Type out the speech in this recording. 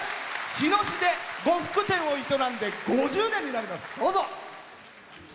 日野市で呉服店で営んで５０年になります。